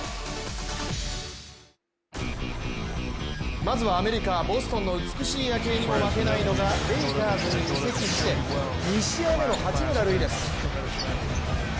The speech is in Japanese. まずはアメリカ・ボストンの美しい夜景にも負けないのがレイカーズに移籍して２試合目の八村塁です。